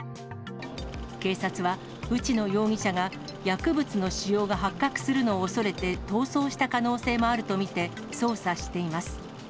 警察は、内野容疑者が、薬物の使用が発覚するのを恐れて逃走した可能性もあると見て、捜査しています。